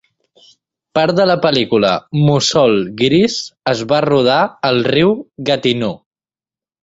Part de la pel·lícula "Mussol Gris" es va rodar al riu Gatineau.